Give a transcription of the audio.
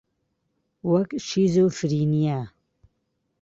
وەک شیزۆفرینیا